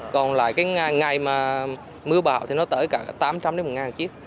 còn lại cái ngày mà mưa bào thì nó tới cả tám trăm linh một nghìn chiếc